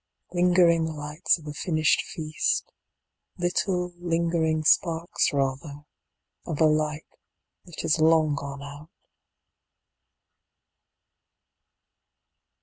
Lingering lights of a Finished Feast, Little lingering sparks rather. Of a Light that is long gone out.